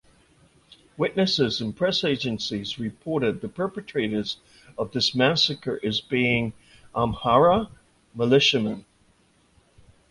Witnesses and press agencies reported the perpetrators of this massacre as being Amhara militiamen.